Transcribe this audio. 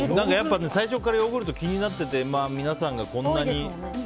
最初からヨーグルトが気になってて皆さんがこんなに。